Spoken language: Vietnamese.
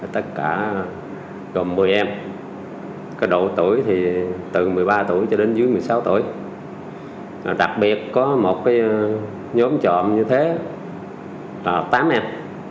tất cả gồm một mươi em có độ tuổi thì từ một mươi ba tuổi cho đến dưới một mươi sáu tuổi đặc biệt có một nhóm trộm như thế tám em